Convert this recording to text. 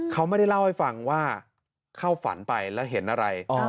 เขาไม่ได้เล่าให้ฟังว่าเข้าฝันไปแล้วเห็นอะไร